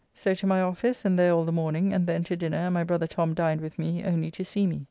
So to my office, and there all the morning, and then to dinner and my brother Tom dined with me only to see me.